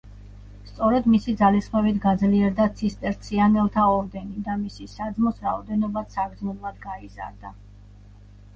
სწორედ მისი ძალისხმევით გაძლიერდა ცისტერციანელთა ორდენი და მისი საძმოს რაოდენობაც საგრძნობლად გაიზარდა.